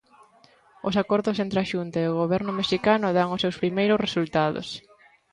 Os acordos entre a Xunta e o goberno mexicano dan os seus primeiros resultados.